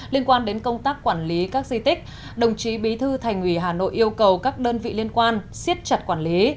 liên quan đến công tác quản lý các di tích đồng chí bí thư thành ủy hà nội yêu cầu các đơn vị liên quan siết chặt quản lý